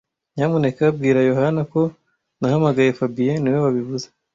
Nyamuneka bwira Yohana ko nahamagaye fabien niwe wabivuze